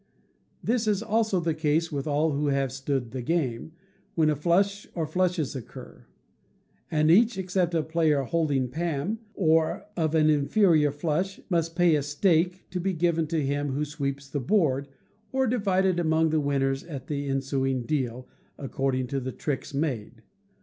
This is also the case with all who have stood the game, when a flush or flushes occur; and each, except a player holding pam, of an inferior flush, must pay a stake, to be given to him who sweeps the board, or divided among the winners at the ensuing deal, according to the tricks made.